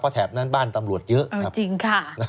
เพราะแถบนั้นบ้านตำรวจเยอะครับเออจริงค่ะ